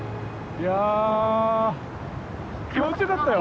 いや気持ちよかったよ。